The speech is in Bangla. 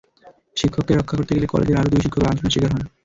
শিক্ষককে রক্ষা করতে গেলে কলেজের আরও দুই শিক্ষক লাঞ্ছনার শিকার হন।